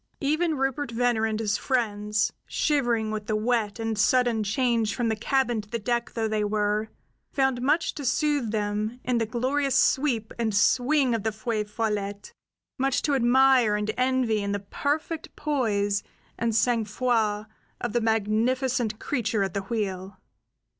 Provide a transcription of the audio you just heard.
Even Rupert Venner and his friends, shivering with the wet and sudden change from the cabin to the deck though they were, found much to soothe them in the glorious sweep and swing of the Feu Follette; much to admire and envy in the perfect poise and sang froid of the magnificent creature at the wheel.